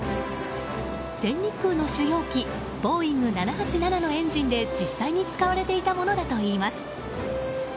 全日空の主要機ボーイング７８７のエンジンで実際に使われていたものだといいます。